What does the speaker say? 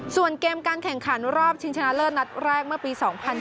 ส่วนเกมการแข่งขันรอบชิงชนะเลิศนัดแรกเมื่อปี๒๐๑๘